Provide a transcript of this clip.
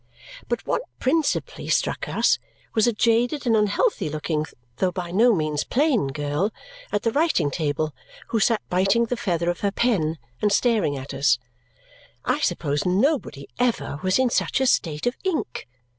But what principally struck us was a jaded and unhealthy looking though by no means plain girl at the writing table, who sat biting the feather of her pen and staring at us. I suppose nobody ever was in such a state of ink.